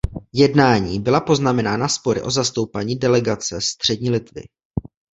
Jednání byla poznamenána spory o zastoupení delegace Střední Litvy.